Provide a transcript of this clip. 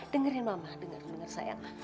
dengerin mama dengar dengar sayang